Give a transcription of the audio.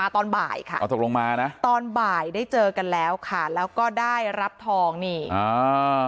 ตอนบ่ายค่ะอ๋อตกลงมานะตอนบ่ายได้เจอกันแล้วค่ะแล้วก็ได้รับทองนี่อ่า